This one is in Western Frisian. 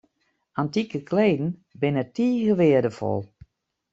Antike kleden binne tige weardefol.